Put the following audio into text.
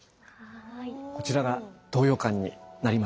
こちらが東洋館になりますね。